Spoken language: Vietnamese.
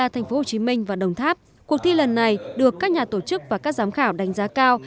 tp hcm và đồng tháp cuộc thi lần này được các nhà tổ chức và các giám khảo đánh giá cao